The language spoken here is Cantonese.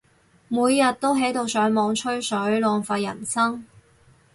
每日都喺度上網吹水，浪費人生